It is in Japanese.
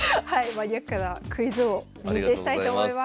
マニアックなクイズ王認定したいと思います。